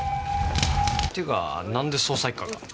っていうかなんで捜査一課が？